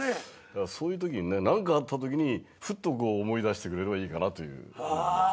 そういうときに何かあったときにふっとこう思い出してくれればいいかなという。